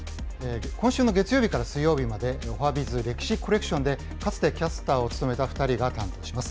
今週の月曜日から水曜日まで、おはＢｉｚ歴史コレクションで、かつてキャスターを務めた２人が担当します。